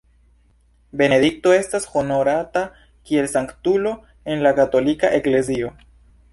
Benedikto estas honorata kiel sanktulo en la katolika eklezio.